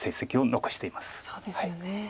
そうですよね。